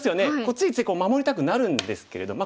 ついつい守りたくなるんですけれどまあ